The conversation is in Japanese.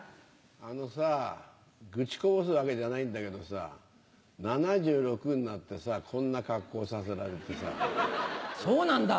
あのさ、愚痴こぼすわけじゃないんだけどさ、７６になってさ、こんな格好そうなんだ。